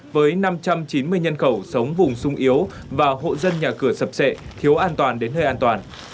với năm trăm chín mươi nhân khẩu sống vùng sung yếu và hộ dân nhà cửa sập sệ thiếu an toàn đến nơi an toàn